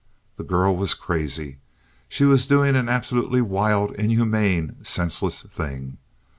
The girl was crazy. She was doing an absolutely wild, inhuman, senseless thing.